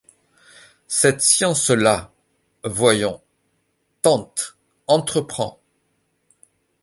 Cette science-là… — Voyons : tente ; entreprends ;